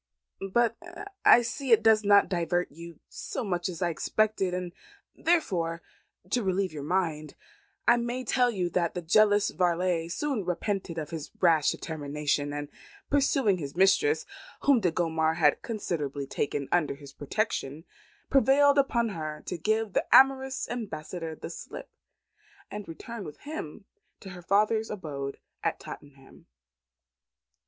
But I see it does not divert you so much as I expected, and therefore, to relieve your mind, I may tell you that the jealous varlet soon repented of his rash determination, and pursuing his mistress, whom Do Gondomar had considerately taken under his protection, prevailed upon her to give the amorous ambassador the slip, and return with him to her father's abode at Tottenham."